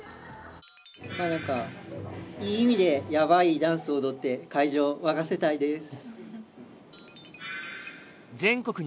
何かいい意味でやばいダンスを踊って会場を沸かせたいです。